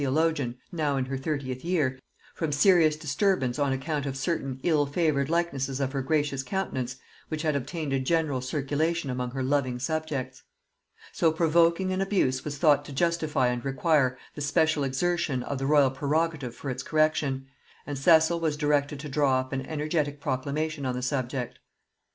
Even studies so solemn could not however preserve the royal theologian, now in her thirtieth year, from serious disturbance on account of certain ill favored likenesses of her gracious countenance which had obtained a general circulation among her loving subjects. So provoking an abuse was thought to justify and require the special exertion of the royal prerogative for its correction, and Cecil was directed to draw up an energetic proclamation on the subject.